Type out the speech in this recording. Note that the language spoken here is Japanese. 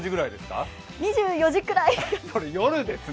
２４時くらいです。